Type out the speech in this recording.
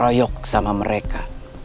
kroyok sama mereka